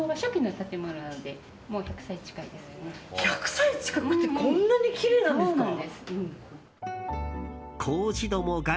１００歳近くでこんなにきれいなんですか。